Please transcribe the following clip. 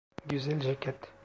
Güzel ceket.